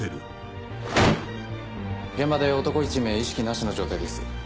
現場で男１名意識なしの状態です。